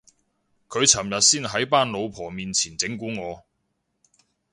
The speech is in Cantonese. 佢尋日先喺班老婆面前整蠱我